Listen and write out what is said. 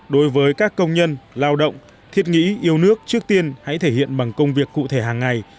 đối với các công nhân lao động thiết nghĩ yêu nước trước tiên hãy thể hiện bằng công việc cụ thể hàng ngày